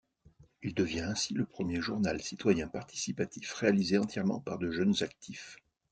Il devient ainsi le premier journal citoyen participatif réalisé entièrement par de jeunes actifs.